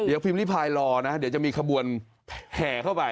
เดี๋ยวพิมพ์ริพายรอนะเดี๋ยวจะมีขบวนแห่เข้าไป